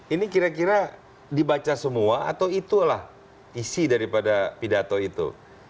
ini kira kira dibaca semua atau itulah isi daripada pidato itu